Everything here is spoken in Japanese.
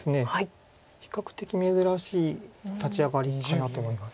比較的珍しい立ち上がりかなと思います。